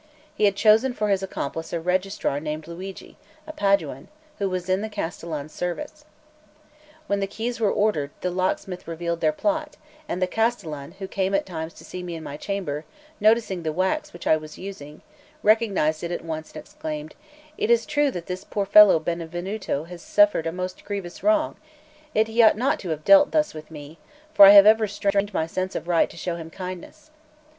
He had chosen for his accomplice a registrar named Luigi, a Paduan, who was in the castellan's service. When the keys were ordered, the locksmith revealed their plot; and the castellan who came at times to see me in my chamber, noticing the wax which I was using, recognised it at once and exclaimed: "It is true that this poor fellow Benvenuto has suffered a most grievous wrong; yet he ought not to have dealt thus with me, for I have ever strained my sense of right to show him kindness.